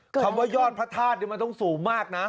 คำว่ายอดพระธาตุนี่มันต้องสูงมากนะ